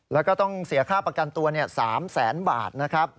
แล้วก็ต้องเสียค่าประกันตัว๓แสนบาทนะครับ